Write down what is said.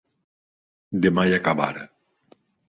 De mai acabar.